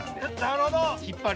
なるほど。